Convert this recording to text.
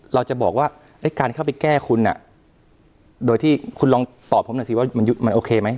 เราจะบอกว่าการเข้าไปแก้คุณโดยที่คุณลองตอบผมหน่อยสิว่ามันโอเคไหม